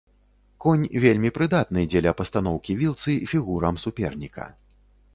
Конь вельмі прыдатны дзеля пастаноўкі вілцы фігурам суперніка.